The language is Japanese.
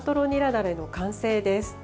だれの完成です。